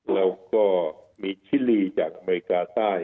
แล้วก็มีชิลีจากอเมริกาใต้